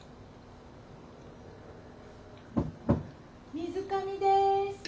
・・・水上です。